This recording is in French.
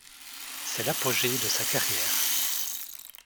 C’est l’apogée de sa carrière.